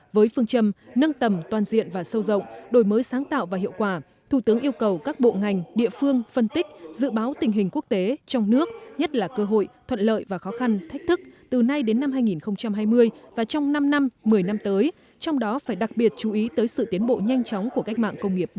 với phương châm nâng tầm toàn diện và sâu rộng đổi mới sáng tạo và hiệu quả thủ tướng yêu cầu các bộ ngành địa phương phân tích dự báo tình hình quốc tế trong nước nhất là cơ hội thuận lợi và khó khăn thách thức từ nay đến năm hai nghìn hai mươi và trong năm năm một mươi năm tới trong đó phải đặc biệt chú ý tới sự tiến bộ nhanh chóng của cách mạng công nghiệp bốn